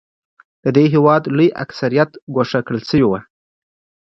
د دې هېواد لوی اکثریت ګوښه کړل شوی و.